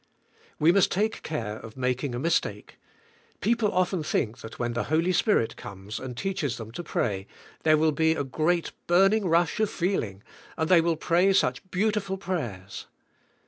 We must take care of making a mistake. People often think that when the Holy Spirit comes and teaches them to pray there will be a great, burning rush of feeling and they will pray such beautiful prayers.